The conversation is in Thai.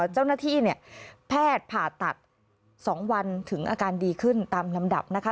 เจ้าหน้าที่เนี่ยแพทย์ผ่าตัด๒วันถึงอาการดีขึ้นตามลำดับนะคะ